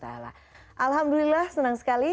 alhamdulillah senang sekali